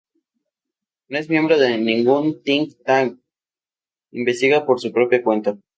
No es miembro de ningún "think-tank"; investiga por su propia cuenta.